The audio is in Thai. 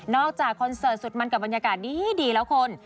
คอนเสิร์ตสุดมันกับบรรยากาศดีแล้วคุณ